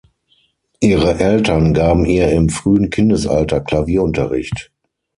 Ihre Eltern gaben ihr im frühen Kindesalter Klavierunterricht.